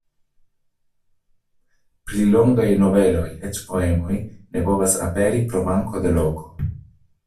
Pli longaj noveloj, eĉ poemoj ne povas aperi pro manko de loko.